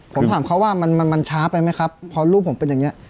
ผมถามเขาว่ามันมันช้าไปไหมครับพอรูปผมเป็นอย่างนี้